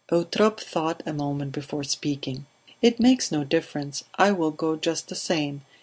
Eutrope thought a moment before speaking. "It makes no difference. I will go just the same.